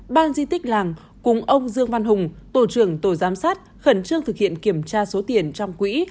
ban di tích làng cùng ông dương văn hùng tổ trưởng tổ giám sát khẩn trương thực hiện kiểm tra số tiền trong quỹ